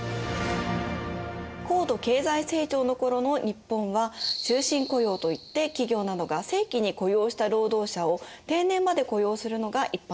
高度経済成長の頃の日本は終身雇用といって企業などが正規に雇用した労働者を定年まで雇用するのが一般的でした。